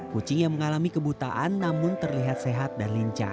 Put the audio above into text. kucing yang mengalami kebutaan namun terlihat sehat dan lincah